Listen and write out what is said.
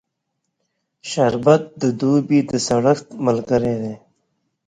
شربت د دوبی د سړښت ملګری دی